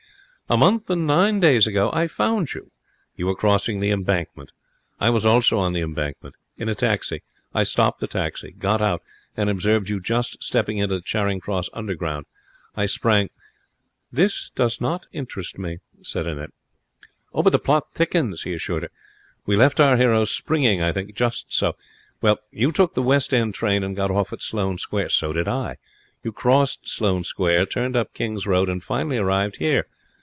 A month and nine days ago I found you. You were crossing the Embankment. I was also on the Embankment. In a taxi. I stopped the taxi, got out, and observed you just stepping into the Charing Cross Underground. I sprang ' 'This does not interest me,' said Annette. 'The plot thickens,' he assured her. 'We left our hero springing, I think. Just so. Well, you took the West End train and got off at Sloane Square. So did I. You crossed Sloane Square, turned up King's Road, and finally arrived here.